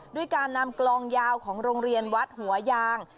ด้วยการนำกลองยาวของโรงเรียนวัดหัวยาง